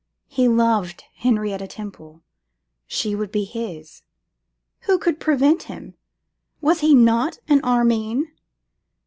He loved Henrietta Temple. She should be his. Who could prevent him? Was he not an Armine?